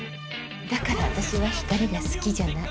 だから私は光が好きじゃない。